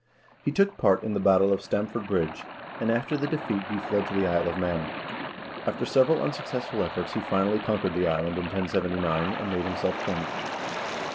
He took part in the battle of Stamford Bridge, and after the defeat he fled to the Isle of Man. After several unsuccessful efforts he finally conquered the island in 1079, and made himself king.